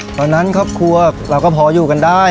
ตอนนั้นครอบครัวเราก็ผออยู่กันได้